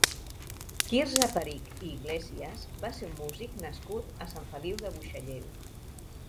Quirze Perich i Iglésias va ser un músic nascut a Sant Feliu de Buixalleu.